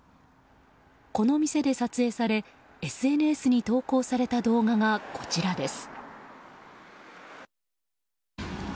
この店で撮影され、ＳＮＳに投稿された動画がこちらです。